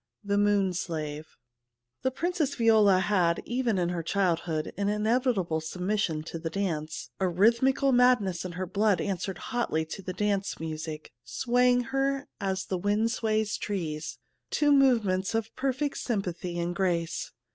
44 THE MOON SLAVE The Princess Viola had^ even in her childhood, an inevitable submission to the dance; a rhythmical madness in her blood answered hotly to the dance music, swaying her, as the wind sways trees, to movements of perfect sympathy and grace.